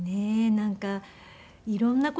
なんか色んな事。